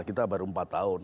kita baru empat tahun